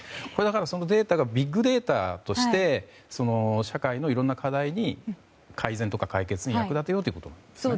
データがビッグデータとして社会のいろんな課題に改善とか解決に役立てようということなんですね。